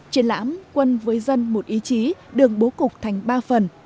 triển lãm quân với dân một ý chí đường bố cục thành ba phần